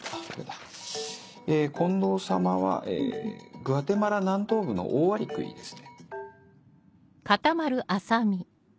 グアテマラ南東部のオオアリクイですね。